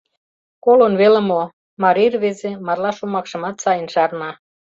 Колын веле мо — марий рвезе марла шомакшымат сайын шарна: